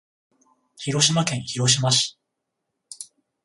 広島県広島市